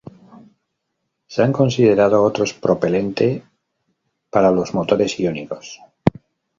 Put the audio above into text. Se han considerado otros propelente para los motores iónicos.